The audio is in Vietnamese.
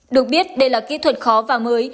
được biết đây là kỹ thuật khó và mới